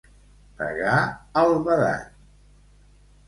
Pegar al vedat.